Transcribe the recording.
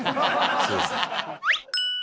そうです。